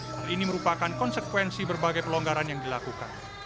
hal ini merupakan konsekuensi berbagai pelonggaran yang dilakukan